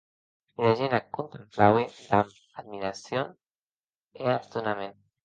Era gent ac contemplaue damb admiracion e estonament.